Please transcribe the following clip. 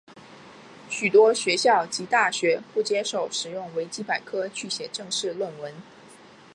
许多学校及大学不接受使用维基百科去写正式论文。